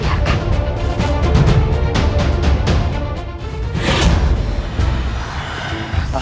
ini tidak bisa diliharkan